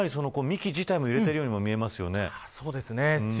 でも、かなり幹自体も揺れてるようにも見えますよね。